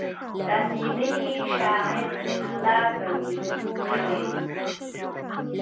رسېدلی شاعر غلا کوي پوه شوې!.